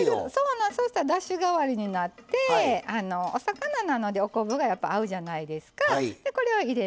そうしたらだし代わりになってお魚なので、お昆布がやっぱり、合うじゃないですか。